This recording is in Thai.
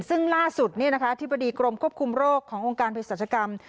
ซึ่งล่าสุดนี่นะคะทฤษฎีกรมควบคุมโรคขององค์การพฤษฎรัชกรรม